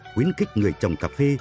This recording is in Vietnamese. quyến kích người trồng cà phê